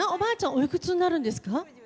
おいくつになるんですか？